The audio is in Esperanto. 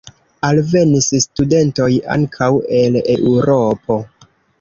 Alvenis studentoj ankaŭ el Eŭropo.